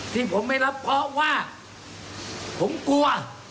ที่ผมไม่รับเพราะว่าผมกลัว